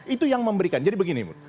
itu yang memberikan jadi begini